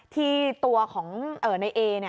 ที่ตัวของนายเอ